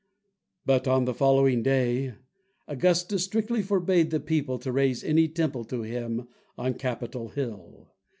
But, on the following day, Augustus strictly forbade the people to raise any temple to him on Capitol Hill.